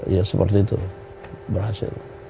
ya seperti itu berhasil